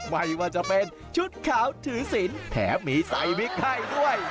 ไม่ว่าจะเป็นชุดขาวถือศิลป์แถมมีไซวิกให้ด้วย